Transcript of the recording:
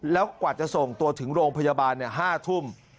แล้วกว่าจะส่งตัวถึงโรงพยาบาล๕ทุ่ม